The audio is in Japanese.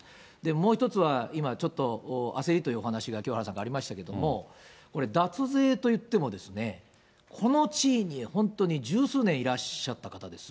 もう１つは、今ちょっと、焦りというお話が清原さんからありましたけれども、これ、脱税といっても、この地位に本当に十数年いらっしゃった方ですよ。